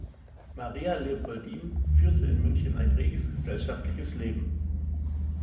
Maria Leopoldine führte in München ein reges gesellschaftliches Leben.